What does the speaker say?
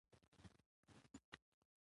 مسلکي زده کړې د کوچنیو صنعتونو کیفیت لوړوي.